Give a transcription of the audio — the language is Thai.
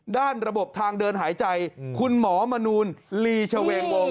ด้านระบบทางเดินหายใจคุณหมอมนูลลีชเวงวง